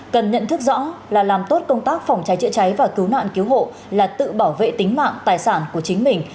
cần nhận thức rõ là làm tốt công tác phòng cháy chữa cháy và cứu nạn cứu hộ là tự bảo vệ tính mạng tài sản của chính mình